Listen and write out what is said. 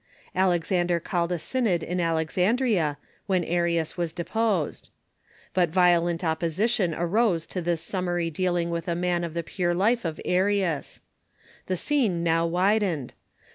Alexander called a synod in Alexandria, when Arius was deposed. But violent opposition arose to this summary dealing with a man of the pure life of Arius. The scene now widened.